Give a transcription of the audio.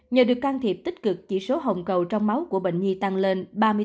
nhờ được can thiệp tích cực chỉ số hồng cầu trong máu của bệnh nhi tăng lên ba mươi bốn ba mươi sáu